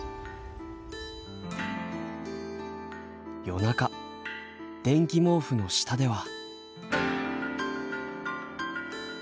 夜中電気毛布の下では。